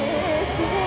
すごい！